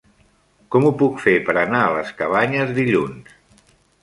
Com ho puc fer per anar a les Cabanyes dilluns?